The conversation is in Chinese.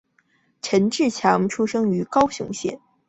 陈志强出生于高雄县。